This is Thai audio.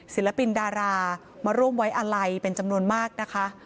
ศิลปินดารามาร่วมไว้อาลัยเป็นจำนวนมากนะคะ